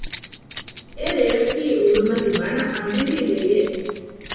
އެ ރެޔަކީ އުޑުމަތި ބަނަ އަނދިރި ރެއެއް